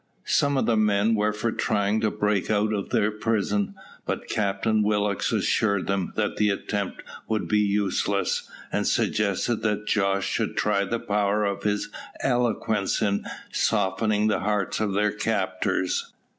Some of the men were for trying to break out of their prison, but Captain Willock assured them that the attempt would be useless, and suggested that Jos should try the power of his eloquence in softening the hearts of their captors.